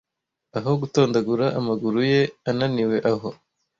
aho gutondagura amaguru ye ananiwe aho